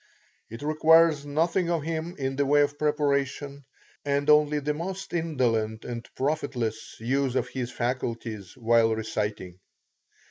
It requires nothing of him in the way of preparation, and only the most indolent and profitless use of his faculties while reciting.